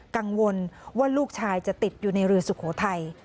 กังวลว่าลูกชายจะติดอยู่ในเรือสุโขทัย